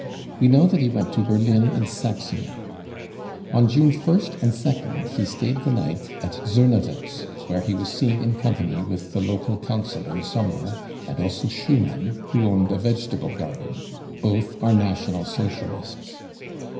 We know that he went to Berlin and Saxony. On June isC and 2nd he stayed the night at Sornewitz, where he was seen in company with the local councillor Sommer and also 59 1 VAN DER LUBBE, THE TOOL * Schumann, who owned a vegetable garden, 11 Both are , National Socialists.